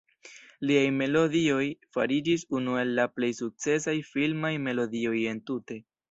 Liaj melodioj fariĝis unu el la plej sukcesaj filmaj melodioj entute.